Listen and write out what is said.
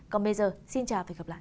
còn bây giờ xin chào và hẹn gặp lại